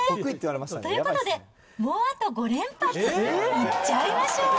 ということで、もうあと５連発いっちゃいましょう。